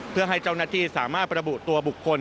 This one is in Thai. เพื่อให้เจ้าหน้าที่สามารถระบุตัวบุคคล